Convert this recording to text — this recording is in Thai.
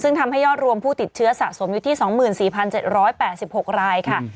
ซึ่งทำให้ยอดรวมผู้ติดเชื้อสะสมอยู่ที่๒๔๗๘๖รายค่ะ